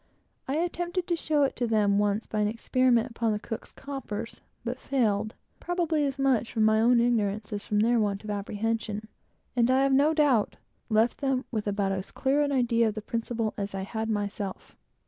I attempted to show it to them once by an experiment upon the cook's coppers, but failed; probably as much from my own ignorance as from their want of apprehension; and, I have no doubt, left them with about as clear an idea of the principle as I had myself.